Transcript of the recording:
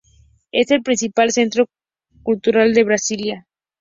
Es el principal centro cultural de Brasilia.